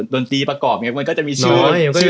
ดนตรีประกอบไงมันก็จะมีสูง